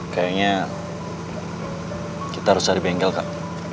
kayaknya kita harus cari bengkel kak